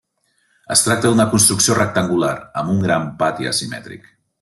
Es tracta d'una construcció rectangular amb un gran pati asimètric.